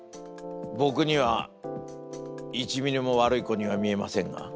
僕には１ミリもワルイコには見えませんが。